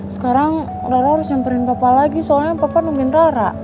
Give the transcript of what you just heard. sekarang rara harus nyamperin bapak lagi soalnya papa nungguin rara